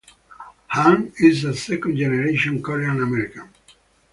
Hahn is a second-generation Korean American.